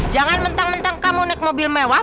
jangan mentang mentang kamu naik mobil mewah